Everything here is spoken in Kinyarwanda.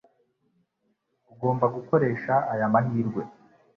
Ugomba gukoresha aya mahirwe.